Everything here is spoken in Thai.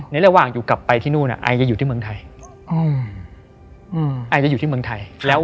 ในระหว่างอยู่กลับไปที่นู่นไอจะอยู่ที่เมืองไทย